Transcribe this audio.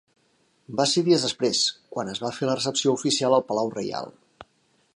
Va ser dies després, quan es va fer la recepció oficial al Palau Reial.